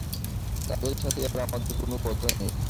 তাদের সাথে আর আমাদের কোনো কথা নেই।